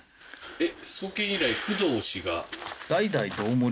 えっ？